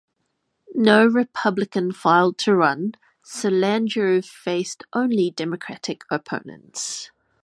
No Republican filed to run, so Landrieu faced only Democratic opponents.